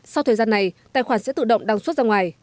sau thời gian này tài khoản sẽ tự động đăng xuất ra ngoài